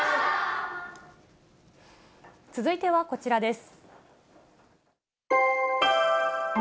続いてはこちらです。